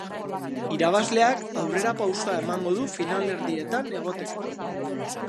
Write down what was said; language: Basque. Irabazleak aurrera pausoa emango du finalerdietan egoteko.